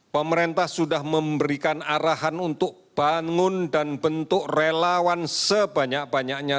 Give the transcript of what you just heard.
pemerintah sudah memberikan arahan untuk bangun dan bentuk relawan sebanyak banyaknya